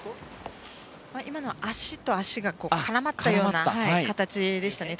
今のは足と足が絡まったような形でしたね。